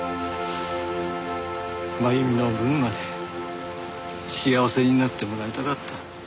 真由美の分まで幸せになってもらいたかった。